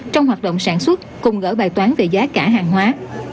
trong hoạt động sản xuất cùng gỡ bài toán về giá cả hàng hóa